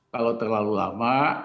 kalau terlalu lama